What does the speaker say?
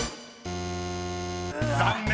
［残念！］